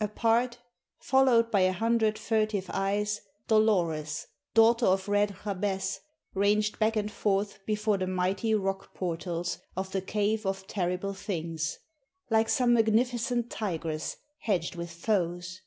Apart, followed by a hundred furtive eyes, Dolores, daughter of Red Jabez, ranged back and forth before the mighty rock portals of the Cave of Terrible Things, like some magnificent tigress hedged with foes.